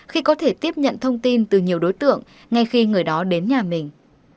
khi có thể tiếp nhận thông tin từ nhiều đối tượng ngay khi người đó đến nhà mình